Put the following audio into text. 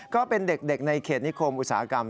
ก็เป็นเด็กในเขตนิคมอุตสาหกรรม